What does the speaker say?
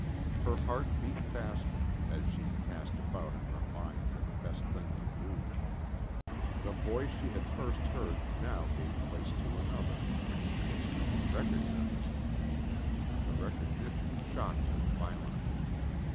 Her heart beat faster, as she cast about in her mind for the best thing to do. The voice she had first heard now gave place to another, which she instantly recognized. The recognition shocked her violently.